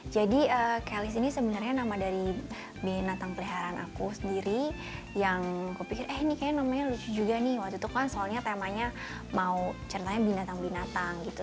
jadi kelly ini sebenarnya nama dari binatang peliharaan aku sendiri yang aku pikir eh ini kayaknya namanya lucu juga nih waktu itu kan soalnya temanya mau ceritanya binatang binatang gitu